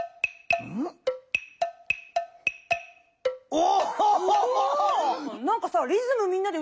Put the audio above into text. お！